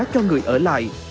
cho người ở lại